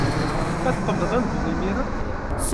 Ad tqebleḍ ad neddu imir-a?